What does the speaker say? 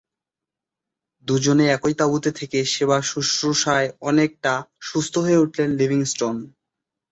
দুজনে একই তাঁবুতে থেকে, সেবা-শুশ্রূষায় অনেকটা সুস্থ হয়ে উঠলেন লিভিংস্টোন।